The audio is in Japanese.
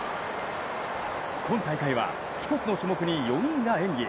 今大会は１つの種目に４人が演技。